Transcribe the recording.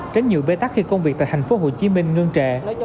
tránh nhiều bê tắc khi công việc tại thành phố hồ chí minh ngưng trệ